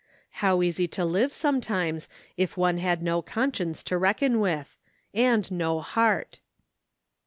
How easy to live sometimes if one had no conscience to reckon with— and no heart